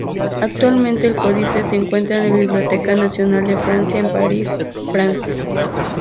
Actualmente, el códice se encuentra en la Biblioteca nacional de Francia, en París, Francia.